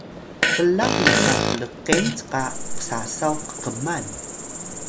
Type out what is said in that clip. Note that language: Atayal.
blaq nha tlqeng cqa sasaw kk’man